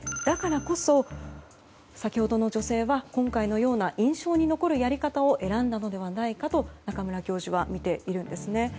だからこそ先ほどの女性は今回のような印象に残るやり方を選んだのではないかと中村教授はみているんですね。